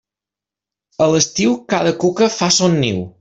A l'estiu, cada cuca fa son niu.